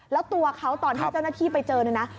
แล้วตัวเขาตอนที่เจ้าหน้าที่ไปเจอเนี่ยนะ